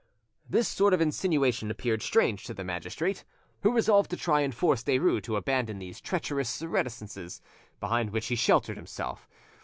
This sort of insinuation appeared strange to the magistrate, who resolved to try and force Derues to abandon these treacherous reticences behind which he sheltered himself.